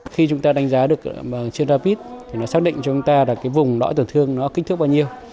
khi chúng ta đánh giá được trên rapid thì nó xác định cho chúng ta là cái vùng lõi tổn thương nó kích thước bao nhiêu